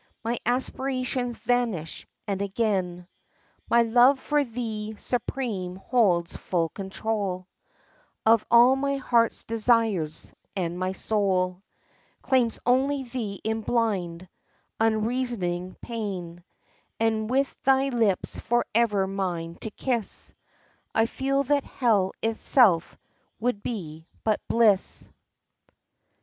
My aspirations vanish and again My love for thee supreme holds full control Of all my heart's desires, and my soul Claims only thee in blind, unreasoning pain ;— And with thy lips forever mine to kiss I feel that Hell itself would be but bliss!